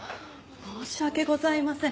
申し訳ございません。